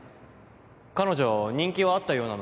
彼女人気はあったようなのに